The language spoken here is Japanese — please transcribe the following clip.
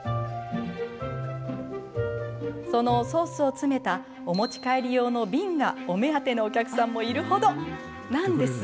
そのソースを詰めたお持ち帰り用の瓶がお目当てのお客さんもいるほどなんですが。